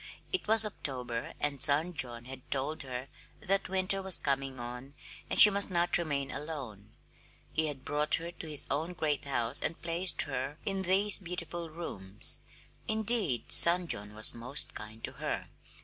It was October, and son John had told her that winter was coming on and she must not remain alone. He had brought her to his own great house and placed her in these beautiful rooms indeed, son John was most kind to her!